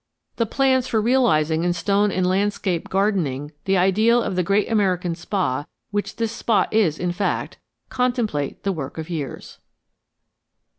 The plans for realizing in stone and landscape gardening the ideal of the great American spa, which this spot is in fact, contemplate the work of years.